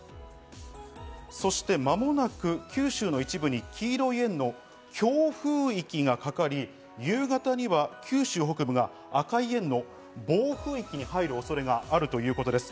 そして間もなく九州の一部に黄色い円の強風域がかかり、夕方には九州北部が赤い円の暴風域に入る恐れがあるということです。